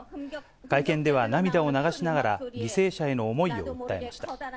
会見では、涙を流しながら犠牲者への思いを訴えました。